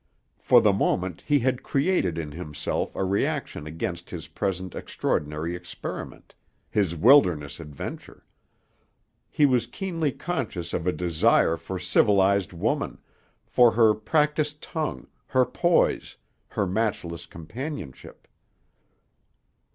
For the moment, he had created in himself a reaction against his present extraordinary experiment, his wilderness adventure. He was keenly conscious of a desire for civilized woman, for her practiced tongue, her poise, her matchless companionship....